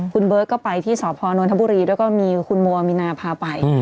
คุณเบิร์ตก็ไปที่สพนนทบุรีด้วยก็มีคุณโมมีนาพาไป